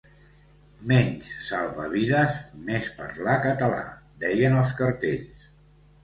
“Menys salvar vides, més parlar català”, deien els cartells.